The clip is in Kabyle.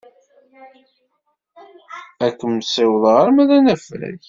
Ad kem-ssiwḍeɣ arma d anafag.